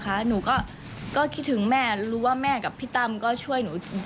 หนูก็คิดถึงแม่รู้ว่าแม่กับพี่ตั้มก็ช่วยหนู